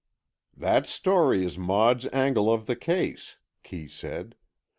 "That story is Maud's angle of the case," Kee said.